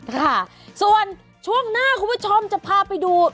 ค่ะส่วนช่วงหน้าคุณผู้ชมจะพาไปดู